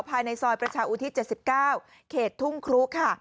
ภายในซอยประชาอุทิศ๗๙เขตทุ่งครุค่ะ